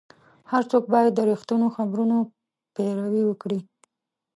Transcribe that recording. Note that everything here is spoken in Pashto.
هر څوک باید د رښتینو خبرونو پیروي وکړي.